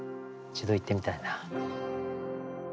一度行ってみたいな。